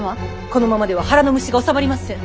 このままでは腹の虫がおさまりません。